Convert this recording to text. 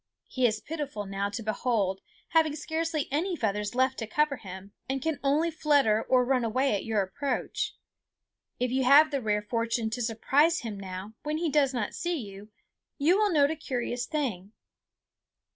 He is pitiful now to behold, having scarcely any feathers left to cover him, and can only flutter or run away at your approach. If you have the rare fortune to surprise him now when he does not see you, you will note a curious thing.